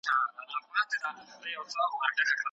که په توليد کي نوښت نه وي نو سيالي نسو کولای.